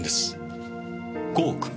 ５億！？